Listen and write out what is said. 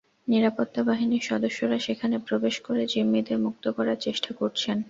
নিরাপত্তা বাহিনীর সদস্যরা সেখানে প্রবেশ করে জিম্মিদের মুক্ত করার চেষ্টা করছেন।